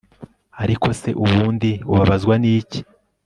ariko se ubundi ubabazwa niki